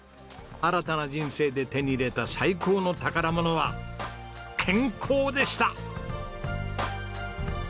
新たな人生で手に入れた最高の宝物は健康でした！